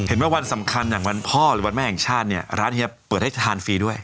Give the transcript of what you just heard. วันสำคัญอย่างวันพ่อหรือวันแม่แห่งชาติเนี่ยร้านเฮียเปิดให้ทานฟรีด้วย